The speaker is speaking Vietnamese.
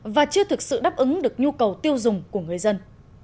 và chưa thực sự đáp ứng được nhu cầu tiêu dùng của người dân